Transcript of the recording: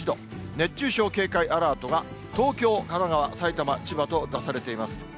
熱中症警戒アラートが東京、神奈川、埼玉、千葉と出されています。